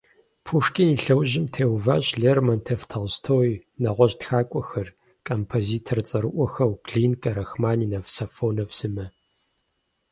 Пушкин и лъэужьым теуващ Лермонтов, Толстой, нэгъуэщӀ тхакӀуэхэр, композитор цӀэрыӀуэхэу Глинкэ, Рахманинов, Сафонов сымэ.